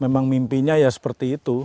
memang mimpinya ya seperti itu